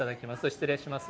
失礼します。